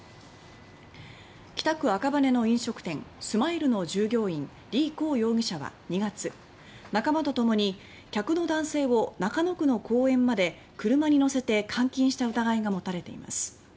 北区赤羽の飲食店「ＳＭＩＬＥ」の従業員リ・コウ容疑者は、２月仲間とともに客の男性を中野区の公園まで車に乗せて監禁した疑いがもたれています。